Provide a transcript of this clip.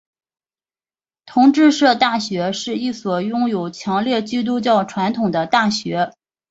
同志社大学是一所拥有强烈基督教传统的大学。